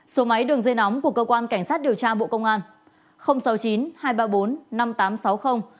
số máy đường dây nóng của cơ quan cảnh sát điều tra bộ công an sáu mươi chín hai trăm ba mươi bốn năm nghìn tám trăm sáu mươi